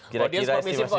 kira kira oh dia permisi